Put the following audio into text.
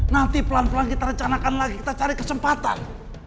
nanti pelan pelan kita rencanakan lagi kita cari kesempatan